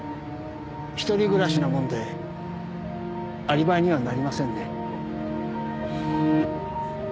一人暮らしなもんでアリバイにはなりませんね。